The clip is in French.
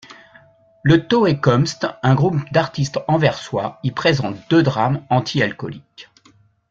Le Toekomst, un groupe d’artistes anversois, y présente deux drames antialcooliques.